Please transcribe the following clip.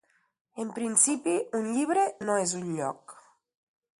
En principi un llibre no és un lloc.